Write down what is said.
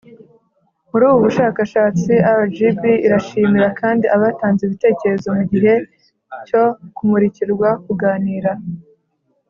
Muri ubu bushakashatsi rgb irashimira kandi abatanze ibitekerezo mu gihe cyo kumurikirwa kuganira